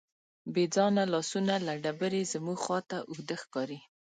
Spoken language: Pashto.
بېځانه لاسونه له ډبرې زموږ خواته اوږده ښکاري.